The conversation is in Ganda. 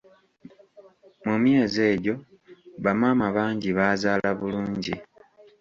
Mu myezi egyo, bamaama bangi baazaala bulungi.